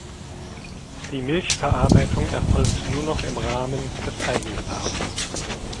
Die Milchverarbeitung erfolgt nur noch im Rahmen des Eigenbedarfs.